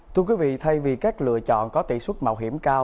thưa quý vị thay vì các lựa chọn có tỷ suất mạo hiểm cao